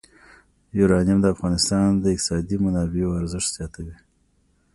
یورانیم د افغانستان د اقتصادي منابعو ارزښت زیاتوي.